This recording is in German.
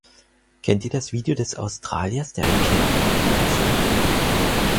Kennt ihr das Video des Australiers, der ein Känguru boxt?